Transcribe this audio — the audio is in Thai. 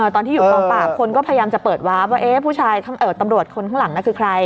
ตอนที่อยู่กองปราบคนก็พยายามจะเปิดวาร์ฟว่าผู้ชายตำรวจคนข้างหลังคือใคร